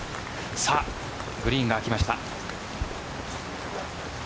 さあグリーンが空きました。